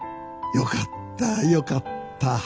よかったよかった